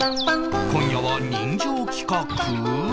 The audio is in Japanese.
今夜は人情企画？